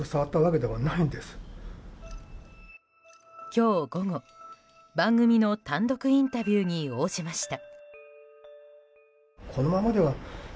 今日午後、番組の単独インタビューに応じました。